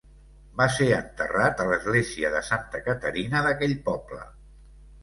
Va ser enterrat a l'església de Santa Caterina d'aquell poble.